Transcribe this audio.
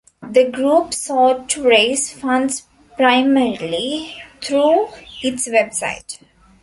The group sought to raise funds primarily through its website.